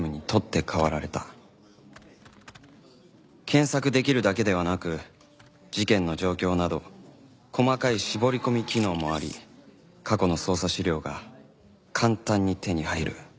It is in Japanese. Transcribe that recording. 検索できるだけではなく事件の状況など細かい絞り込み機能もあり過去の捜査資料が簡単に手に入る